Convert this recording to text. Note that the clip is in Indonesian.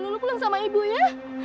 dulu pulang sama ibu ya